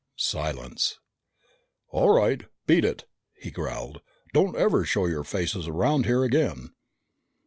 Silence. "All right! Beat it!" he growled. "Don't ever show your faces around here again!"